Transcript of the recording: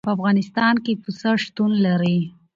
په افغانستان کې پسه شتون لري.